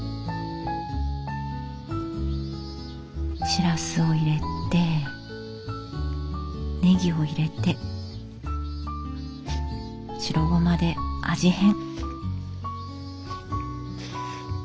しらすを入れてねぎを入れて白ごまで味変。